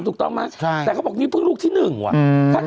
ถูกต้องไหมใช่แต่เขาบอกนี่เพิ่งลูกที่หนึ่งว่ะอืม